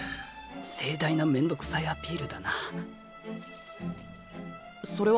盛大なめんどくさいアピールだなそれは？